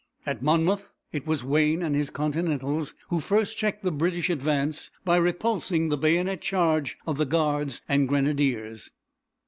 At Monmouth it was Wayne and his Continentals who first checked the British advance by repulsing the bayonet charge of the guards and grenadiers.